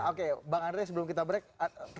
oke bang andre sebelum kita break